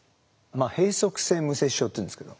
閉塞性無精子症っていうんですけど。